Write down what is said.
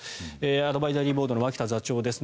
アドバイザリーボードの脇田座長です。